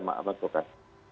memberikan apa itu kan